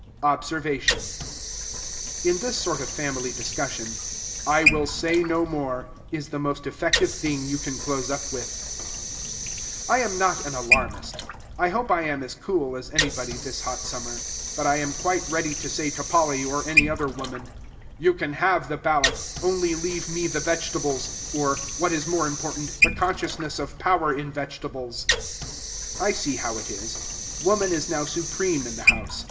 Observation. In this sort of family discussion, "I will say no more" is the most effective thing you can close up with. I am not an alarmist. I hope I am as cool as anybody this hot summer. But I am quite ready to say to Polly, or any other woman, "You can have the ballot; only leave me the vegetables, or, what is more important, the consciousness of power in vegetables." I see how it is. Woman is now supreme in the house.